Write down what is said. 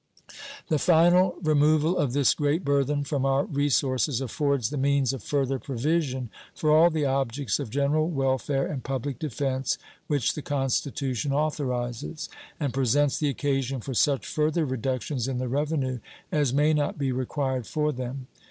The final removal of this great burthen from our resources affords the means of further provision for all the objects of general welfare and public defense which the Constitution authorizes, and presents the occasion for such further reductions in the revenue as may not be required for them.